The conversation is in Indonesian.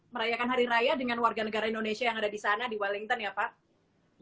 merayakan hari raya dengan warga negara indonesia yang ada di sana di wellington ya pak